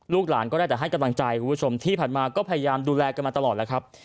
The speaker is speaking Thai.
หลานก็ได้แต่ให้กำลังใจคุณผู้ชมที่ผ่านมาก็พยายามดูแลกันมาตลอดแล้วครับ